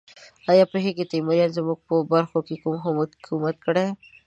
ایا پوهیږئ تیموریانو زموږ په برخو کې حکومت کړی؟